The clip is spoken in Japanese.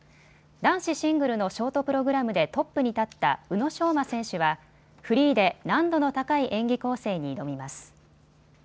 男子シングルのショートプログラムでトップに立った宇野昌磨選手はフリーで難度の高い演技構成に挑みます。